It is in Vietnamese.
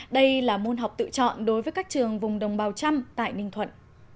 đây là môn học tự chọn đối với các trường vùng đồng bào trăm tại ninh thuận